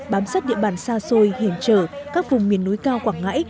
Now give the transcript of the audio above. bám sát địa bàn xa xôi hiểm trở các vùng miền núi cao quảng ngãi